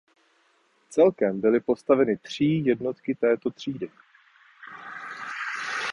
Celkem byly postaveny tří jednotky této třídy.